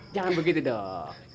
jangan begitu dong